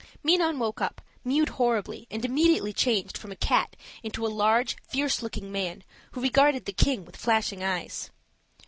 Minon woke up, mewed horribly, and immediately changed from a cat into a large, fierce looking man, who regarded the king with flashing eyes.